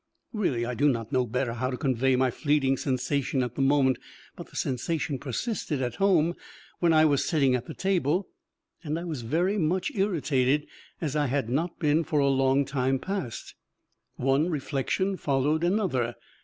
Really I do not know better how to convey my fleeting sensation at the moment, but the sensation persisted at home when I was sitting at the table, and I was very much irritated as I had not been for a long time past. One reflection followed another.